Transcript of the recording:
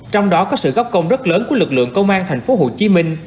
trong đó có sự góp công rất lớn của lực lượng công an thành phố hồ chí minh